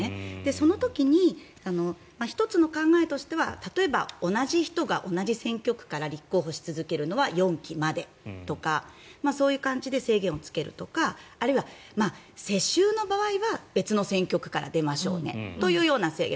その時に１つの考えとしては例えば同じ人が同じ選挙区から立候補し続けるのは４期までとかそういう感じで制限をつけるとかあるいは世襲の場合は別の選挙区から出ましょうねという制限。